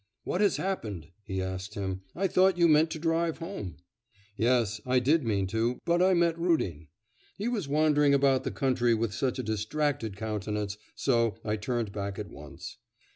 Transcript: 'What has happened?' he asked him. 'I thought you meant to drive home?' 'Yes; I did mean to, but I met Rudin.... He was wandering about the country with such a distracted countenance. So I turned back at once.